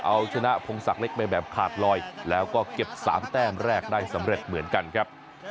เอาชนะพงศักดิ์เล็กไปแบบขาดลอยแล้วก็เก็บ๓แต้มแรกได้สำเร็จเหมือนกันครับ